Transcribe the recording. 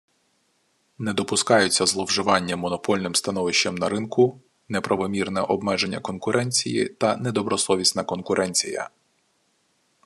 Не допускаються зловживання монопольним становищем на ринку, неправомірне обмеження конкуренції та недобросовісна конкуренція